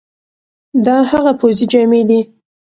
دا هغه پوځي جامي دي،